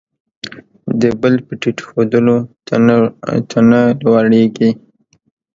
د بل په ټیټ ښودلو، ته نه لوړېږې.